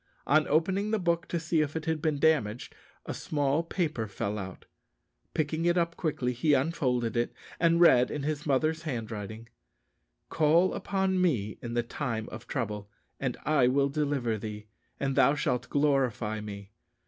On opening the book to see if it had been damaged, a small paper fell out. Picking it up quickly, he unfolded it, and read, in his mother's handwriting: "_Call upon me in the time of trouble; and I will deliver thee, and thou shalt glorify me.